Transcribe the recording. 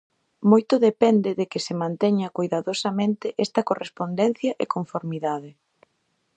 Moito depende de que se manteña coidadosamente esta correspondencia e conformidade.